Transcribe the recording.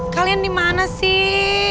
kalian dimana sih